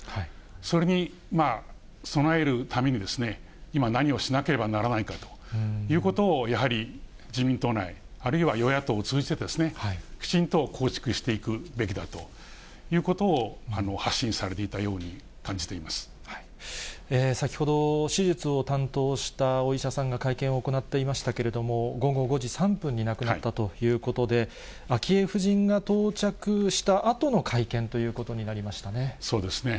それに備えるために、今、何をしなければならないかということを、やはり自民党内、あるいは与野党を通じて、きちんと構築していくべきだということを発信されていたように感先ほど、手術を担当したお医者さんが会見を行っていましたけれども、午後５時３分に亡くなったということで、昭恵夫人が到着したあとの会見ということになりましたね。